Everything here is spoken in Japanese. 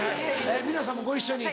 皆さんもご一緒に。